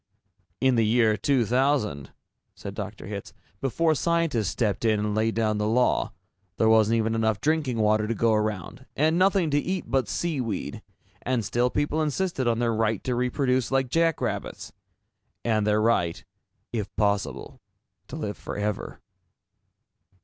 "In the year 2000," said Dr. Hitz, "before scientists stepped in and laid down the law, there wasn't even enough drinking water to go around, and nothing to eat but sea weed and still people insisted on their right to reproduce like jackrabbits. And their right, if possible, to live forever."